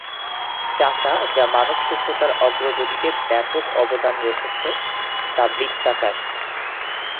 চাকা, যা মানব সভ্যতার অগ্রগতিতে ব্যাপক অবদান রেখেছে, তা বৃত্তাকার।